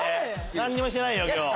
何もしてないよ今日。